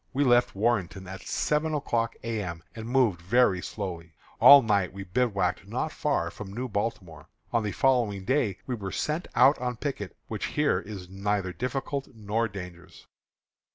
We left Warrenton at seven o'clock A. M., and moved very slowly. At night we bivouacked not far from New Baltimore. On the following day we were sent out on picket, which here is neither difficult nor dangerous.